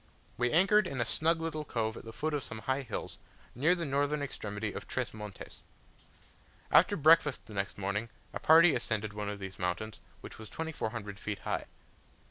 We anchored in a snug little cove at the foot of some high hills, near the northern extremity of Tres Montes. After breakfast the next morning, a party ascended one of these mountains, which was 2400 feet high.